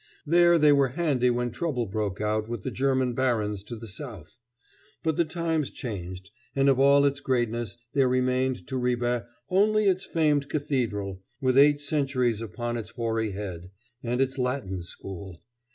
There they were handy when trouble broke out with the German barons to the south. But the times changed, and of all its greatness there remained to Ribe only its famed cathedral, with eight centuries upon its hoary head, and its Latin School.